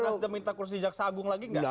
nasdem minta kursi jaksa agung lagi nggak